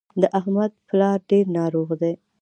د احمد پلار ډېر ناروغ دی.